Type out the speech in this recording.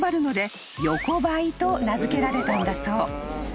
［と名付けられたんだそう］